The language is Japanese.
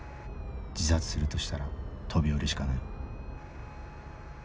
自殺するとしたら飛び降りしかない。